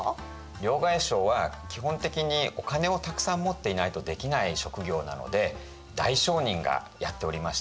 両替商は基本的にお金をたくさん持っていないとできない職業なので大商人がやっておりました。